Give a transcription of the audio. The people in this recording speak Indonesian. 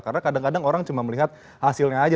karena kadang kadang orang cuma melihat hasilnya aja